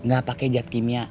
gak pakai jad kimia